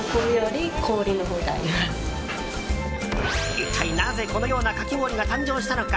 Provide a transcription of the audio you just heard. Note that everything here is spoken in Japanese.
一体なぜこのようなかき氷が誕生したのか。